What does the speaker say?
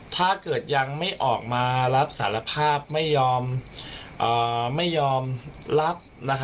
ถ้าเกิดยังไม่ออกมารับสารภาพไม่ยอมไม่ยอมรับ